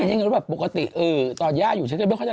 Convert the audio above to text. เช่นแต่นี่ที่เราก็รู้แบบปกติตอนย่าอยู่ฉันยังไม่เข้าใจ